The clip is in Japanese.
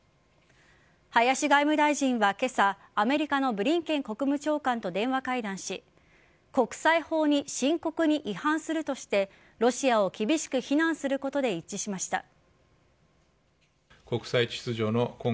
林外務大臣は今朝アメリカのブリンケン国務長官と電話会談し国際法に深刻に違反するとしてロシアを厳しく非難することで一致しました。